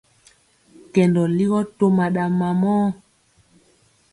Kɛndɔ ligɔ toma ɗa mamɔɔ.